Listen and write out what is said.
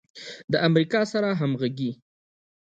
د امریکا سره همغږي